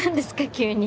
急に。